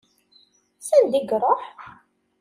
S anda i iṛuḥ?